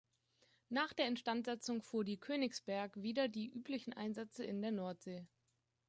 Nach der Instandsetzung fuhr die "Königsberg" wieder die üblichen Einsätze in der Nordsee.